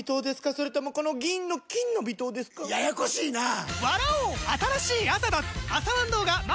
それともこの銀の「金の微糖」ですか？ややこしいなぁ！